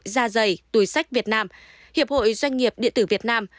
sa giày túi sách việt nam hiệp hội doanh nghiệp địa tử việt nam